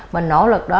mình nỗ lực đó